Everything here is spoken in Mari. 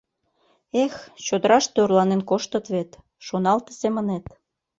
Эх, чодыраште орланен коштыт вет, шоналте семынет.